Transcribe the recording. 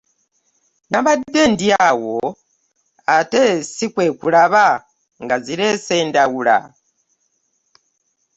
Nabadde ndi awo ate si kwe kulaba nga zireese Ndawula!